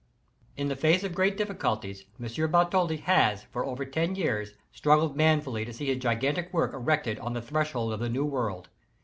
In the face of great diiliculties, M. Bartholdi has, for over ten years, struggled manfully to see his gigantic work erected on the threshold of the new world.